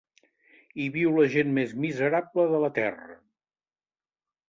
Hi viu la gent més miserable de la terra.